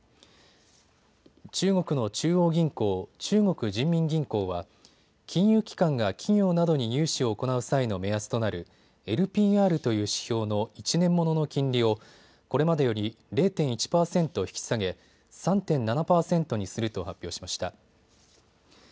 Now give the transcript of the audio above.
中国の中央銀行、中国人民銀行は金融機関が企業などに融資を行う際の目安となるＬＰＲという指標の１年ものの金利をこれまでより０．１％引き下げ、３．７％にすると発表しました。